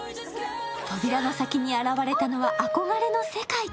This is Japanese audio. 扉の先に現れたのは憧れの世界。